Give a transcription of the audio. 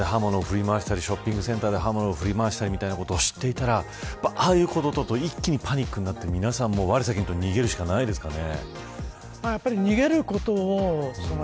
風間さん、たとえば車内で刃物を振り回したりショッピングセンターで振り回したりみたいなことをしていたらああいう行動で一気にパニックになって、みんな、われ先にと逃げるしかないですかね。